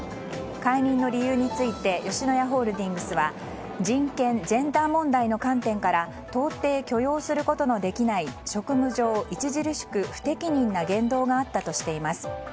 解任の理由について吉野家ホールディングスは人権・ジェンダー問題の観点から到底、許容することのできない職務上著しく不適任な言動があったとしています。